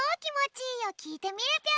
いいをきいてみるぴょん！